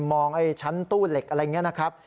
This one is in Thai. มองไอ้ชั้นตู้เหล็กอะไรอย่างนี้นะครับ